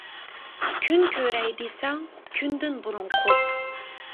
كۈن كۆرەي دېسەڭ، كۈندىن بۇرۇن قوپ.